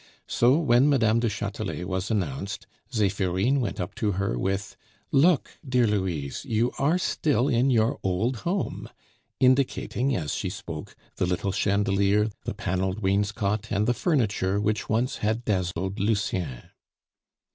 So when Madame du Chatelet was announced, Zephirine went up to her with "Look, dear Louise, you are still in your old home!" indicating, as she spoke, the little chandelier, the paneled wainscot, and the furniture, which once had dazzled Lucien.